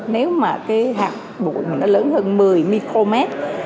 nếu hạt bụi lớn hơn một mươi micromet